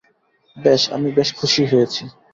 বেশ, আমি বেশ খুশিই হয়েছি।